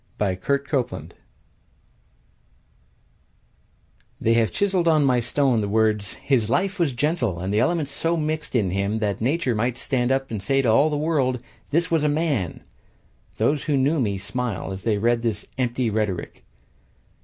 Cassius Hueffer They have chiseled on my stone the words: "His life was gentle, and the elements so mixed in him That nature might stand up and say to all the world, This was a man." Those who knew me smile As they read this empty rhetoric.